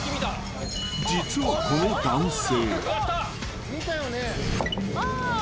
実はこの男性。